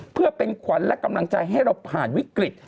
เพื่อเป็นขวัญและกำลังใจให้เราผ่านวิกฤต